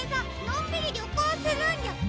のんびりりょこうするんじゃ？